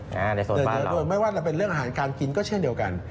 อ๋อในโสดบ้านหรอไม่ว่าเป็นเรื่องอาหารการกินก็เช่นเดียวกัน